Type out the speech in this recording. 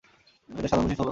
এদের সাধারণ বৈশিষ্ট্য হলোঃ